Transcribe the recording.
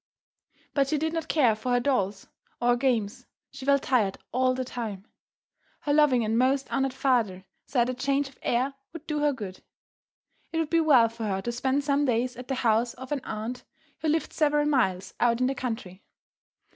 But she did not care for her dolls or games; she felt tired all the time. Her loving and most honoured father said a change of air would do her good. It would be well for her to spend some days at the house of an aunt who lived several miles out in the country.